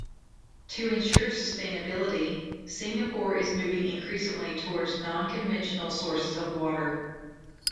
To ensure sustainability, Singapore is moving increasingly towards non-conventional sources of water.